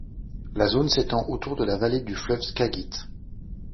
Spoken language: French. La zone s’étend autour de la vallée du fleuve Skagit.